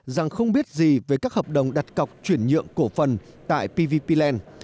rằng không biết gì về các hợp đồng đặt cọc chuyển nhượng cổ phần tại pvp land